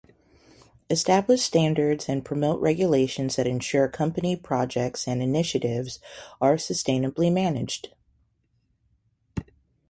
Establish standards and promote regulations that ensure company projects and initiatives are sustainably managed.